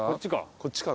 こっちかな。